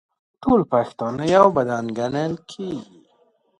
ټول پښتانه یو بدن ګڼل کیږي.